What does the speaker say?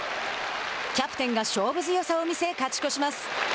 キャプテンが勝負強さを見せ勝ち越します。